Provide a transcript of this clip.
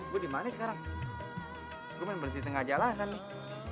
gue dimana sekarang gue main berhenti di tengah jalanan nih